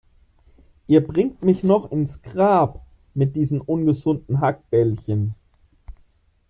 Ihr bringt mich noch ins Grab mit diesen ungesunden Hackbällchen.